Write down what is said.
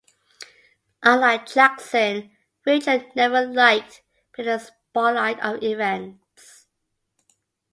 Unlike Jackson, Rachel never liked being in the spotlight of events.